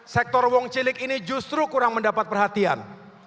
sektor wong cilik ini justru kurang mendapat perhatian